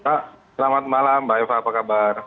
selamat malam mbak eva apa kabar